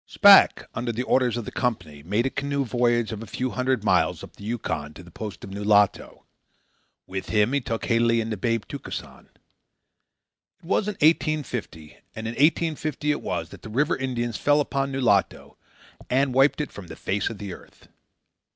Shpack, under the orders of the Company, made a canoe voyage of a few hundred miles up the Yukon to the post of Nulato. With him he took Halie and the babe Tukesan. This was in 1850, and in 1850 it was that the river Indians fell upon Nulato and wiped it from the face of the earth.